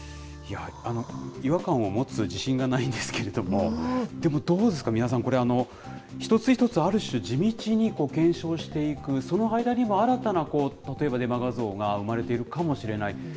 違和感を持つ自信がないんですけれども、でもどうですか、三輪さん、一つ一つある種、地道に検証していく、その間にも新たな、例えば、デマ画像が生まれているかもしれない。